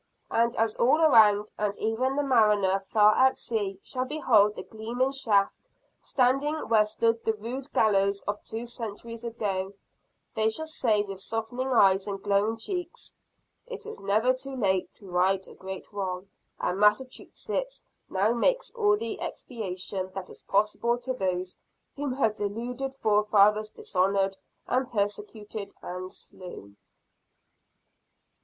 And as all around, and even the mariner far out at sea, shall behold the gleaming shaft, standing where stood the rude gallows of two centuries ago, they shall say with softening eyes and glowing cheeks: "It is never too late to right a great wrong; and Massachusetts now makes all the expiation that is possible to those whom her deluded forefathers dishonored and persecuted and slew!"